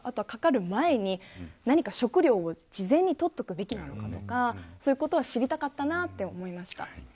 かかる前に、何か食料を事前に取っとくべきなのかとかそういうことは知りたかったなということを思いました。